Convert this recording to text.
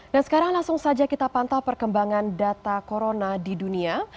nah sekarang langsung saja kita pantau perkembangan data corona di dunia